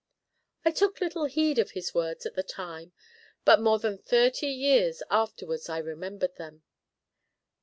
I took little heed of his words at the time, but more than thirty years afterwards I remembered them.